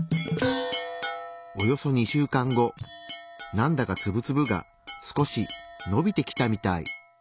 なんだかツブツブが少しのびてきたみたい。